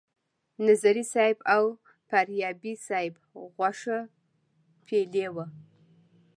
نظري صیب او فاریابي صیب غوښه پیلې وه.